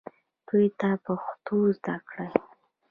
دوی ته پښتو زده کړئ